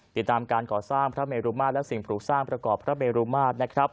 ติดตามการก่อสร้างพระเมรุมาตย์และสิ่งผสูจน์พระกอบพระเมรุมาตย์